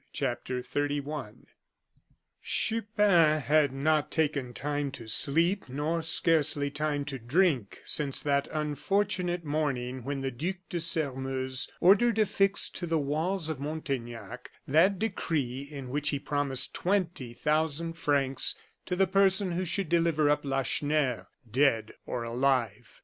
CHAPTER XXXI Chupin had not taken time to sleep, nor scarcely time to drink, since that unfortunate morning when the Duc de Sairmeuse ordered affixed to the walls of Montaignac, that decree in which he promised twenty thousand francs to the person who should deliver up Lacheneur, dead or alive.